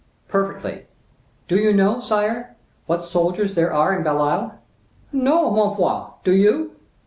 "Perfectly. Do you know, sire, what soldiers there are in Belle Isle?" "No, ma foi! Do you?"